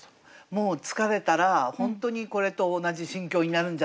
もう疲れたら本当にこれと同じ心境になるんじゃないかなってね。